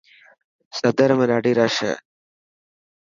سدر ۾ ڏاڌي رش هي.